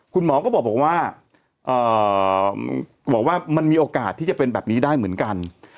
คุณหมอก็บอกบอกว่าเอ่อบอกว่ามันมีโอกาสที่จะเป็นแบบนี้ได้เหมือนกัน